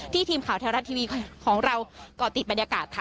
ทีมข่าวไทยรัฐทีวีของเราก่อติดบรรยากาศค่ะ